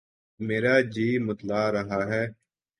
میرا جی متلا رہا ہے